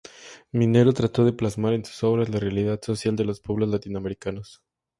Minero, trató de plasmar en sus obras la realidad social de los pueblos latinoamericanos.